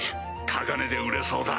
高値で売れそうだ。